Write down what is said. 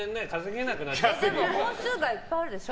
本数いっぱいあるでしょ？